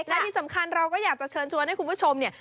และที่สำคัญเราก็อยากจะเชิญชวนให้คุณผู้ชมเนี่ย